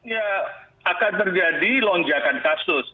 ya akan terjadi lonjakan kasus